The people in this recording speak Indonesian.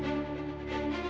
terima kasih persen